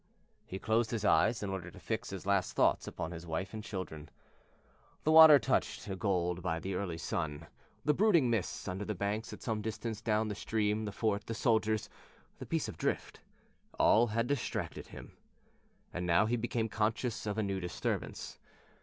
He closed his eyes in order to fix his last thoughts upon his wife and children. The water, touched to gold by the early sun, the brooding mists under the banks at some distance down the stream, the fort, the soldiers, the piece of drift all had distracted him. And now he became conscious of a new disturbance.